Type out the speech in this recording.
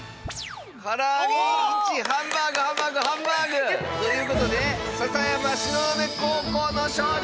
から揚げ１ハンバーグハンバーグハンバーグということで篠山東雲高校の勝利！